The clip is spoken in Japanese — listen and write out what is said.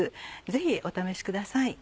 ぜひお試しください。